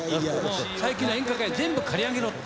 最近の演歌界全部刈り上げろと。